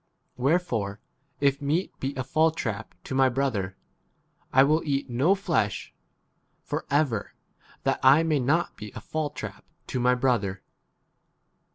Where fore if meat be a fall trap to my brother, I will eat no flesh for ever, that I may not be a fall trap to my brother.